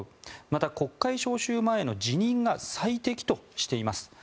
また、国会召集前の辞任が最適としています。